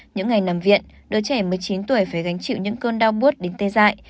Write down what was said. những ngày nằm viện đứa trẻ mới chín tuổi phải gánh chịu những cơn đau buốt đến tê dại